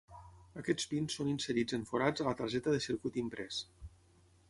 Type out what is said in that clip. Aquests pins són inserits en forats a la targeta de circuit imprès.